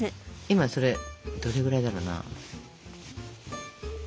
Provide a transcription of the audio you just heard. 今それどれぐらいだろうな。